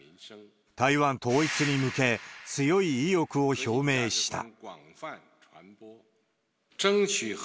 台湾統一に向け、強い意欲を表明した。